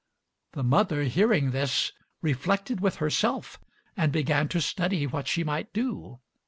The mother, hearing this, reflected with herself and began to study what she might do.